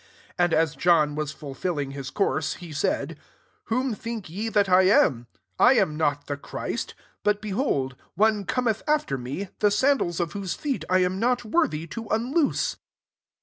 25 And as John was fulfilling his couraey he said, * Whom think ye that 1 am ? I am not the Christ, But, behold, one cometh after me, the sandals of whose feet I am not worthy to unloose.'